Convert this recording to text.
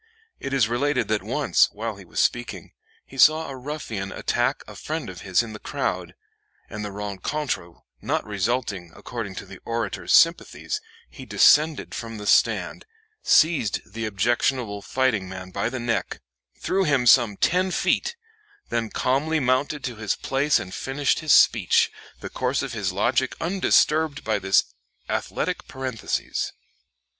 It is related that once, while he was speaking, he saw a ruffian attack a friend of his in the crowd, and the rencontre not resulting according to the orator's sympathies, he descended from the stand, seized the objectionable fighting man by the neck, "threw him some ten feet," then calmly mounted to his place and finished his speech, the course of his logic undisturbed by this athletic parenthesis.